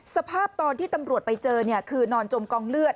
สภาพตอนที่ตำรวจไปเจอคือนอนจมกองเลือด